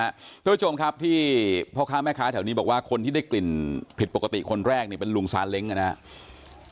ทุกท้ายชมครับที่พ่อคราวแม่ค้าแถวนี้บอกว่าคนที่ได้กลิ่นผิดปกติคนแรกนี้เป็นลุงสาเล็งก์ครับนะฮะ